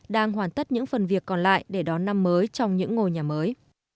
đang hoàn tất những phần việc còn lại để đón năm mới trong những ngôi nhà mới